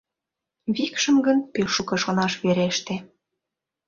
Викшым гын, пеш шуко шонаш вереште.